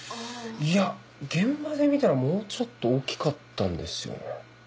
いや現場で見たらもうちょっと大きかったんですよね。